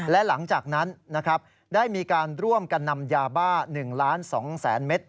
และหลังจากนั้นได้มีการร่วมกันนำยาบ้า๑๒๐๐๐๐๐เมตร